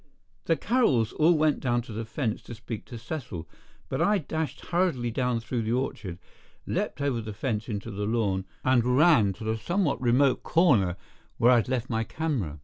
The Carrolls all went down to the fence to speak to Cecil, but I dashed hurriedly down through the orchard, leaped over the fence into the lawn and ran to the somewhat remote corner where I had left my camera.